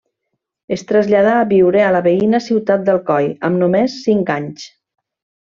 Es traslladà a viure a la veïna ciutat d'Alcoi amb només cinc anys.